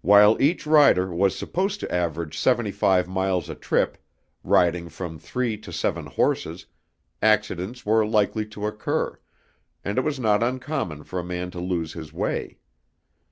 While each rider was supposed to average seventy five miles a trip, riding from three to seven horses, accidents were likely to occur, and it was not uncommon for a man to lose his way.